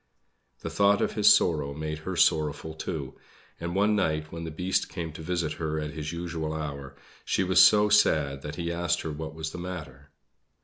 The thought of his sorrow made her sorrowful too; and one night, when the Beast came to visit her at his usual hour, she was so sad that he asked her what was the matter.